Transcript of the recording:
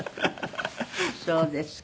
そうですか。